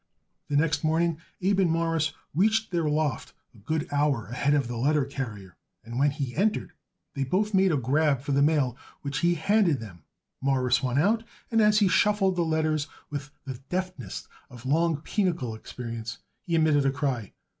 The next morning Abe and Morris reached their loft a good hour ahead of the letter carrier, and when he entered they both made a grab for the mail which he handed them. Morris won out, and as he shuffled the letters with the deftness of long pinochle experience he emitted a cry.